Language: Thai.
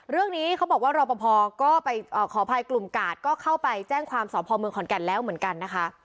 เรื่องนี้เขาบอกว่ารอปภก็ไปขออภัยกลุ่มกาดก็เข้าไปแจ้งความสอบภอมเมืองขอนแก่นแล้วเหมือนกันนะคะ